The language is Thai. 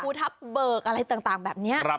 พูทัศน์เบลร์กอะไรต่างแบบนี้